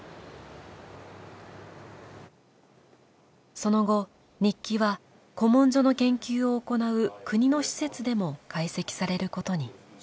その後日記は古文書の研究を行う国の施設でも解析されることに。